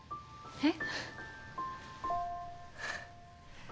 えっ。